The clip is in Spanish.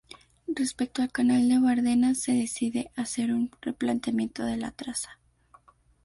Respecto al canal de Bardenas se decide hacer un replanteamiento de la traza.